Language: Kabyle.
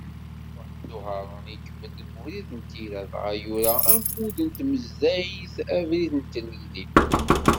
Muḥemmed Uharun, ikemmel deg ubrid n tira, dɣa yura ammud n tmedyazt “Abrid n tlelli”.